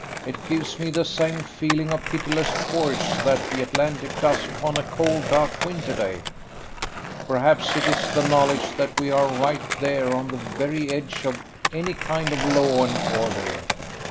"It gives me the same feeling of pitiless force that the Atlantic does upon a cold, dark, winter day. Perhaps it is the knowledge that we are right there on the very edge of any kind of law and order.